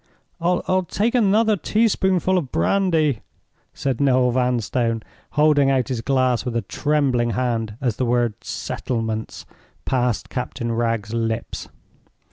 "I'll take another teaspoonful of brandy," said Noel Vanstone, holding out his glass with a trembling hand as the word "settlements" passed Captain Wragge's lips.